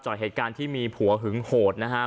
จ่อยเหตุการณ์ที่มีผัวหึงโหดนะฮะ